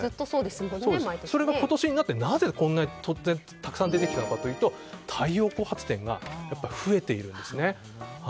それが今年になってなぜ突然たくさん出てきたのかというと太陽光発電が増えているんですね。